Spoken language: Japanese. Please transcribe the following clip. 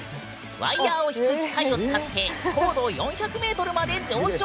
ワイヤーを引く機械を使って高度４００ｍまで上昇！